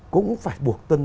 cũng phải buộc tân